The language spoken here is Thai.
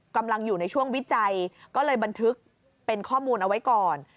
กำลังอยู่ในช่วงวิจัยก็เลยบันทึกเป็นข้อมูลเอาไว้ก่อน